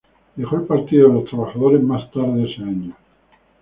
Dejó el Partido de los Trabajadores más tarde ese año.